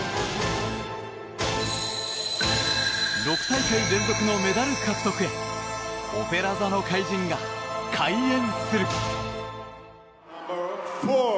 ６大会連続のメダル獲得へ「オペラ座の怪人」が開演する。